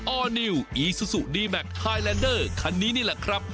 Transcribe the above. อร์นิวอีซูซูดีแมคไฮแลนเดอร์คันนี้นี่แหละครับ